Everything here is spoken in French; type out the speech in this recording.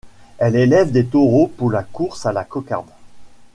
Elle élève des taureaux pour la course à la cocarde.